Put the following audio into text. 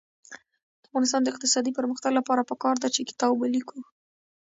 د افغانستان د اقتصادي پرمختګ لپاره پکار ده چې کتاب ولیکو.